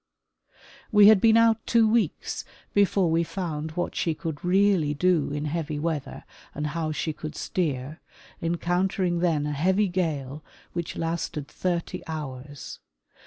We had been out two weeks before we found what she could really do in heavy weather and how she could steer, encounter ing then a heavy gale which lasted thirty hours.